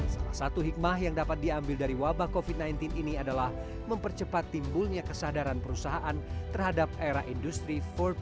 salah satu hikmah yang dapat diambil dari wabah covid sembilan belas ini adalah mempercepat timbulnya kesadaran perusahaan terhadap era industri empat